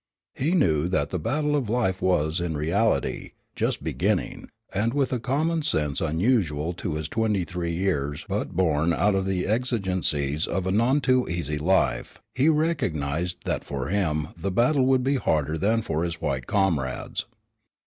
He knew that the battle of life was, in reality, just beginning and, with a common sense unusual to his twenty three years but born out of the exigencies of a none too easy life, he recognized that for him the battle would be harder than for his white comrades.